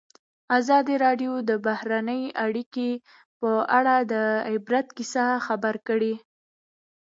ازادي راډیو د بهرنۍ اړیکې په اړه د عبرت کیسې خبر کړي.